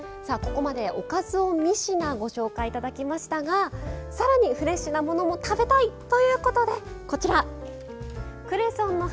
さあここまでおかずを３品ご紹介頂きましたが更にフレッシュなものも食べたい！ということでこちら。